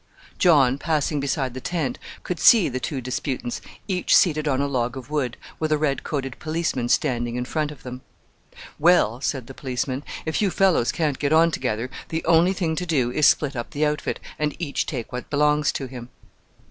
John, passing beside the tent, could see the two disputants each seated on a log of wood, with a red coated policeman standing in front of them. "Well," said the policeman, "if you fellows can't get on together, the only thing to do is split up the outfit and each take what belongs to him."